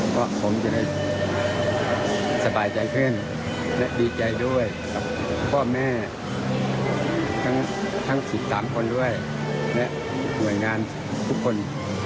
คุณพ่อขอขอบใจทั้ง๓๓คนด้วยและหน่วยงานทุกคน